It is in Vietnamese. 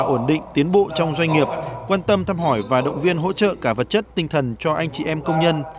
ổn định tiến bộ trong doanh nghiệp quan tâm thăm hỏi và động viên hỗ trợ cả vật chất tinh thần cho anh chị em công nhân